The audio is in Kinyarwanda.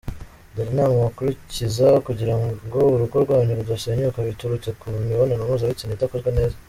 Dore inama wakurikiza kugirango urugo rwanyu rudasenyuka biturutse ku mibonano mpuzabitsina itakozwe neza.